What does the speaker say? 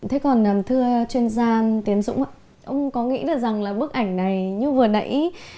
thế còn thưa chuyên gia tiến dũng ạ ông có nghĩ được rằng là bức ảnh này như vừa nãy